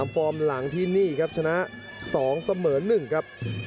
ฟอร์มหลังที่นี่ครับชนะ๒เสมอ๑ครับ